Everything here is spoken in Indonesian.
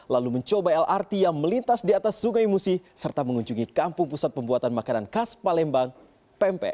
lalu mencoba lrt yang melintas di atas sungai musi serta mengunjungi kampung pusat pembuatan makanan khas palembang pempek